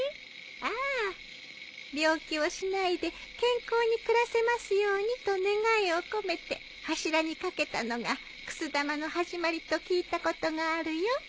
ああ病気をしないで健康に暮らせますようにと願いを込めて柱に掛けたのがくす玉の始まりと聞いたことがあるよ。